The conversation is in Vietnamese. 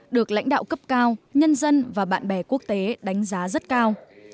được lãnh đạo cấp cao nhân dân và bạn bè quốc tế đánh giá rất cao